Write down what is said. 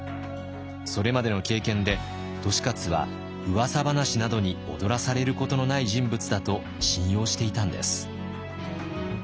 それまでの経験で利勝はうわさ話などに踊らされることのない人物だと信用していたんです。